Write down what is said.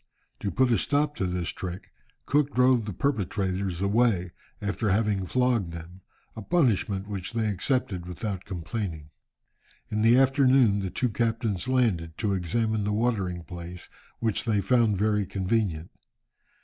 To put a stop to this trick, Cook drove the perpetrators away, after having flogged them, a punishment which they accepted without complaining. In the afternoon the two captains landed, to examine the watering place, which they found very convenient.